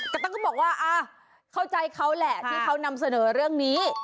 ตั๊กก็บอกว่าเข้าใจเขาแหละที่เขานำเสนอเรื่องนี้